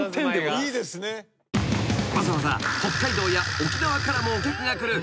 ［わざわざ北海道や沖縄からもお客が来る］